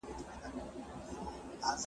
د شرابو پلورنځی هیڅکله نه تړل کیږي.